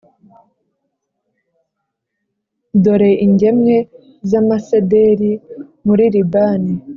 dore ingemwe z’amasederi muri Libani,